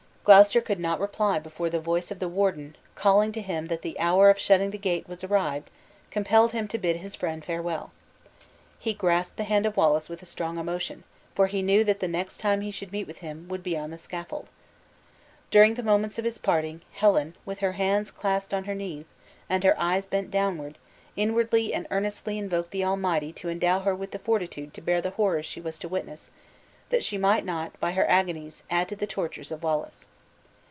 Gloucester could not reply before the voice of the warden, calling to him that the hour of shutting the gates was arrived, compelled him to bid his friend farewell. He grasped the hand of Wallace with a strong emotion, for he knew that the next time he should meet him would be on the scaffold. During the moments of his parting, Helen, with her hands clasped on her knees, and her eyes bent downward, inwardly and earnestly invoked the Almighty to endow her with fortitude to bear the horrors she was to witness, that she might not, by her agonies, add to the tortures of Wallace.